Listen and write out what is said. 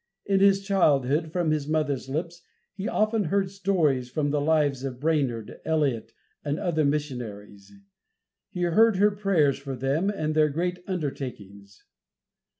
In his childhood, from his mother's lips, he often heard stories from the lives of Brainerd, Eliot, and other missionaries. He heard her prayers for them and their great undertakings.